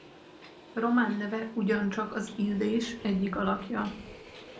Román neve ugyancsak az Illés egyik alakja.